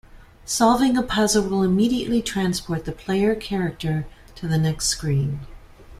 Solving a puzzle will immediately transport the player character to the next screen.